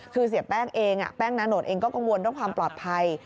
คือเสียแป้งเองแป้งนาโนตเองก็กังวลเรื่องความปลอดภัย